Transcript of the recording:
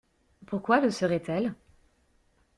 Pourquoi le seraient-elles?